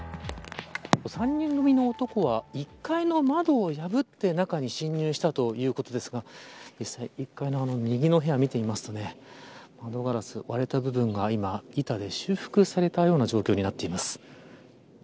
３人組の男は１階の窓を破って中に侵入したということですが１階の右の部屋を見てみますと窓ガラスの割れた部分が今板で修復されたような状況になっています。